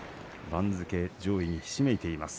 番付上位にひしめいています